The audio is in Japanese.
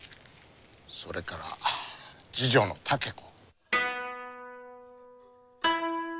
それから次女の竹子。